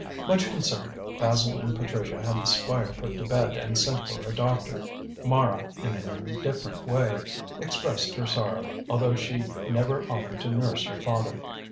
Much concerned, Basil and Patricia had the Squire put to bed and sent for a doctor. Mara, in an indifferent way, expressed her sorrow, although she never offered to nurse her father.